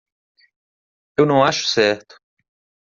Eu não acho certo.